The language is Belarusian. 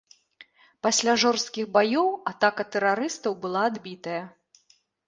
Пасля жорсткіх баёў атака тэрарыстаў была адбітая.